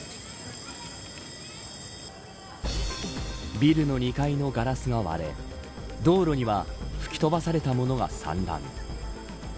ビルの２階のガラスが割れ道路には吹き飛ばされた物が散乱。